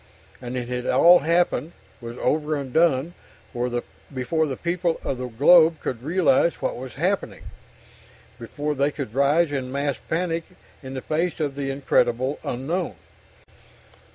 And it had all happened, was over and done, before the people of the globe could realize what was happening, before they could rise in mass panic in the face of the incredible unknown.